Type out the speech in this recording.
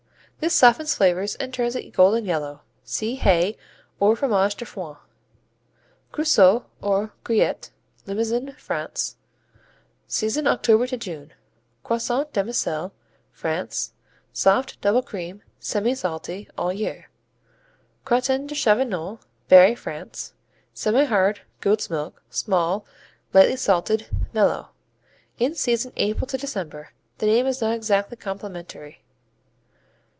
This softens, flavors, and turns it golden yellow. (See Hay or Fromage de Foin.) Creusois, or Guéret Limousin, France Season, October to June. Croissant Demi sel France Soft, double cream, semisalty. All year. Crottin de Chavignol Berry, France Semihard; goat's milk; small; lightly salted; mellow. In season April to December. The name is not exactly complimentary.